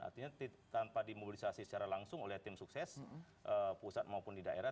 artinya tanpa dimobilisasi secara langsung oleh tim sukses pusat maupun di daerah